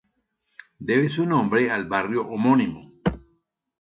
Debe su nombre al barrio homónimo.